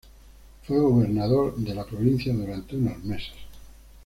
Fue gobernador de la provincia durante unos meses.